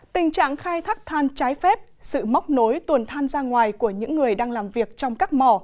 tình trạng khai thác than trái phép sự móc nối tuần than ra ngoài của những người đang làm việc trong các mỏ